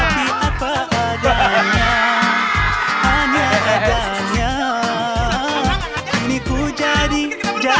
set pick upger orangnya